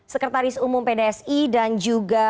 sekretaris umum pdsi dan juga